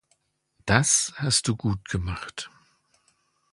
Das hast du gut gemacht.